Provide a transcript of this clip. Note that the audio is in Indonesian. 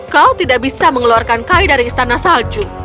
kau tidak bisa mengeluarkan kai dari istana salju